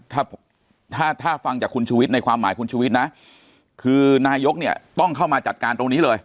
ถ้าถ้าฟังจากคุณชุวิตในความหมายคุณชุวิตนะคือนายกเนี่ยต้องเข้ามาจัดการตรงนี้เลย